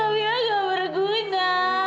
kamila nggak berguna